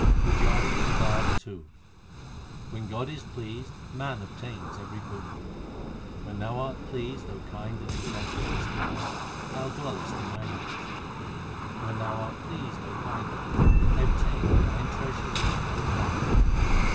1 GUJARI KI WAR II When God is pleased, man obtains every boon : When Thou art pleased, O Kind and Incomprehensible One, Thou dwellest in my heart. When Thou art pleased, O Kind One, I obtain the nine treasures in my own home.